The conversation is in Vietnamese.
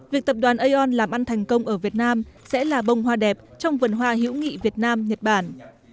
việc tập đoàn aon làm ăn thành công ở việt nam sẽ là bông hoa đẹp trong vườn hoa hữu nghị việt nam nhật bản